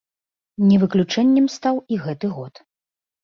Не выключэннем стаў і гэты год.